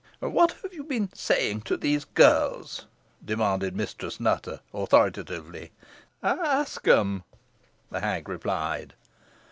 "What have you been saying to these girls?" demanded Mistress Nutter, authoritatively. "Ask them," the hag replied.